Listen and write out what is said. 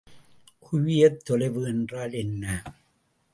குவியத் தொலைவு என்றால் என்ன?